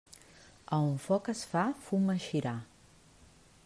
A on foc es fa, fum eixirà.